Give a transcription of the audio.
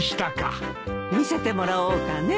見せてもらおうかね。